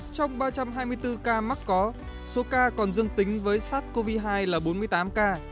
trong ba trăm hai mươi bốn ca mắc có số ca còn dương tính với sars cov hai là bốn mươi tám ca